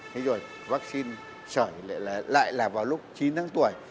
thế rồi vaccine sở lại là vào lúc chín tháng tuổi